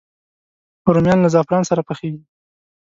رومیان له زعفران سره پخېږي